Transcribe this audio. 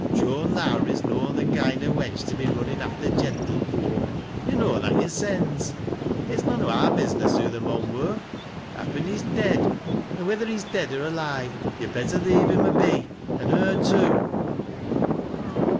Joan Lowrie's noau th' Kind o' wench to be runnin' after gentlefolk, — yo know that yoresens. It's noan o' our business who the aion wur. Happen he's dead ; an' whether he's dead oi slii/e, you'd better leave him a be, an' her too."